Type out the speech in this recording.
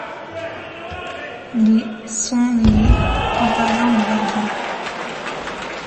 Les sont les fantassins de Barban.